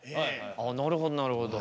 ああなるほどなるほど。